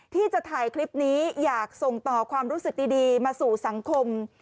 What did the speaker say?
ที่จะถ่ายคลิปนี้อยากส่งต่อความรู้สึกดีมาสู่สังคม